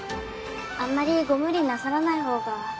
あんまりご無理なさらない方が。